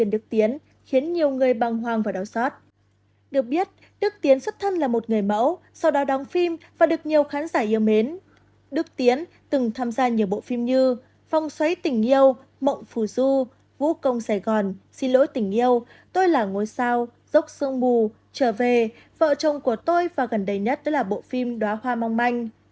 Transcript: đức tiến từng tham gia nhiều bộ phim như phong xoáy tình yêu mộng phù du vũ công sài gòn xin lỗi tình yêu tôi là ngôi sao dốc sương mù trở về vợ chồng của tôi và gần đây nhất đó là bộ phim đóa hoa mong manh